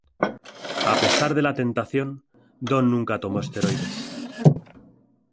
A pesar de la tentación, Don nunca tomo esteroides.